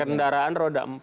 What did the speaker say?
kendaraan roda empat